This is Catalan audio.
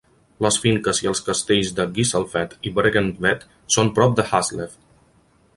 Les finques i els castells de Gisselfeld i Bregentved són prop de Haslev.